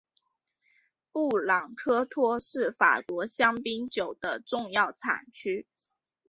布朗科托是法国香槟酒的重要产区。